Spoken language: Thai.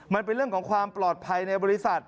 มันเป็นเรื่องของความปลอดภัยในบริษัท